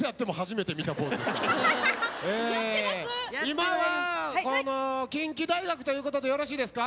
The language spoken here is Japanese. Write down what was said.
今はこの近畿大学ということでよろしいですか？